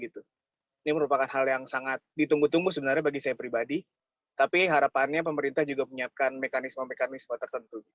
ini merupakan hal yang sangat ditunggu tunggu sebenarnya bagi saya pribadi tapi harapannya pemerintah juga menyiapkan mekanisme mekanisme tertentu